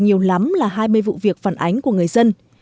nhiều lắm là hai mươi vụ việc phản ánh của người dân